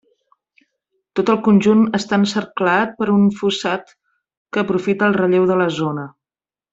Tot el conjunt està encerclat per un fossat que aprofita el relleu de la zona.